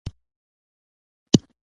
کتل د تفکر لمبه بلي